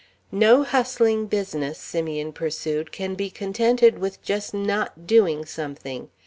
"No hustling business," Simeon pursued, "can be contented with just not doing something.